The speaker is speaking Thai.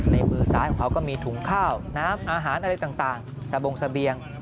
มือซ้ายของเขาก็มีถุงข้าวน้ำอาหารอะไรต่างสะบงเสบียง